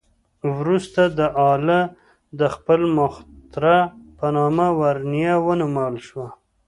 وروسته دا آله د خپل مخترع په نامه ورنیه ونومول شوه.